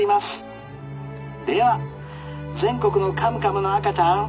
では全国のカムカムの赤ちゃん